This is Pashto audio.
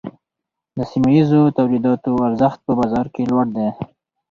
د سیمه ییزو تولیداتو ارزښت په بازار کې لوړ دی۔